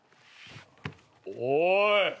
おい。